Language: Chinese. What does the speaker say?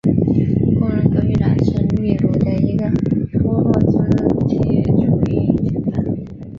工人革命党是秘鲁的一个托洛茨基主义政党。